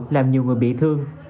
làm nhiều người bị thương